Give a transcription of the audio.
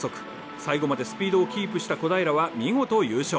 最後までスピードをキープした小平は見事優勝。